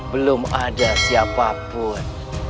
belum ada siapapun